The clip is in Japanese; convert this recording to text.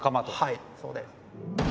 はいそうです。